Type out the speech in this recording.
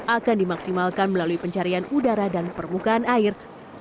akan dimaksimalkan melalui pencarian udara dan permukaan air